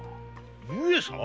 上様！